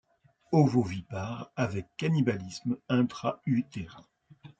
Ovovivipare avec cannibalisme intra-utérin.